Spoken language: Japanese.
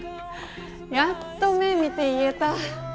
やっと目見て言えた。